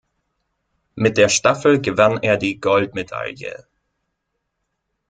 Mit der Staffel gewann er die Goldmedaille.